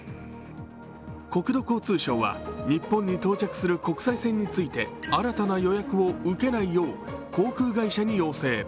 国土交通省は日本に到着する国際線について新たな予約を受けないよう航空会社に要請。